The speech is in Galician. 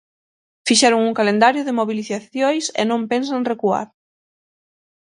Fixeron un calendario de mobilizacións e non pensan recuar.